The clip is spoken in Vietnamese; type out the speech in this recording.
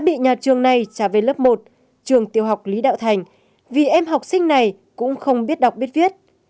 bị nhà trường này trả về lớp một trường tiêu học lý đạo thành vì em học sinh này cũng không biết đọc biết viết